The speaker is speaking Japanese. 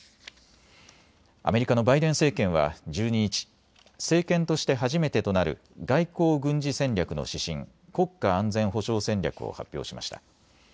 アメリカのバイデン政権は１２日、政権として初めてとなる外交・軍事戦略の指針国家安全保障戦略を発表しました。